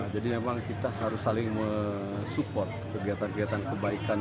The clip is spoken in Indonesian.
jadi memang kita harus saling support kegiatan kegiatan kebaikan